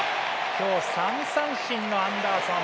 今日３三振のアンダーソン。